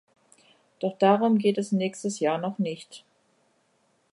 Doch darum geht es nächstes Jahr noch nicht.